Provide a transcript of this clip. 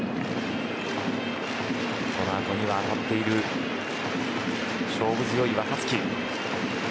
このあとには当たっている勝負強い若月。